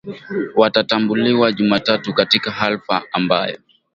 Watatambuliwa Jumatatu katika hafla ambayo